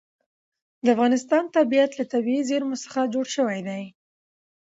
د افغانستان طبیعت له طبیعي زیرمې څخه جوړ شوی دی.